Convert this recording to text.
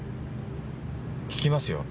聞きますよ